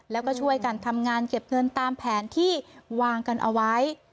แล้วก็ช่วยกันทำงานเก็บเงินตามแผนที่วางกันเอาไว้